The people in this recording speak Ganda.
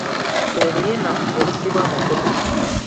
Lwe luyina olusibwa mu nkoko.